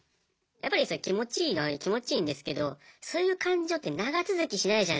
やっぱりですね気持ちいいのは気持ちいいんですけどそういう感情って長続きしないじゃないですか。